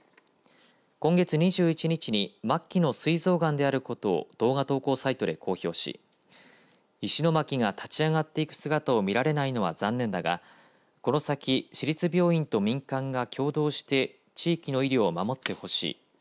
今月２１日に末期のすい臓がんであることを動画投稿サイトで公表し石巻が立ち上がっていく姿を見られないのは残念だがこの先市立病院と民間が共同して地域の医療を守ってほしい。